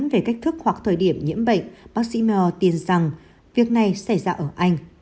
về cách thức hoặc thời điểm nhiễm bệnh massimo tin rằng việc này sẽ xảy ra ở anh